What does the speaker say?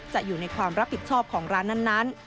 อยู่ในความรับผิดชอบของร้านนั้น